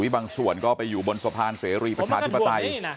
บางส่วนก็ไปอยู่บนสะพานเสรีประชาธิปไตย